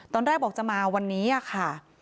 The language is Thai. ตอนแรกบอกจะมาวันนี้ค่ะ